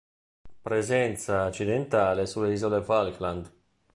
Presenza accidentale sulle Isole Falkland.